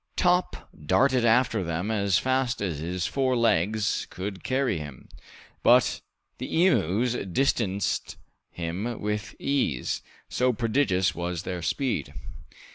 Top darted after them as fast as his four legs could carry him, but the emus distanced him with ease, so prodigious was their speed.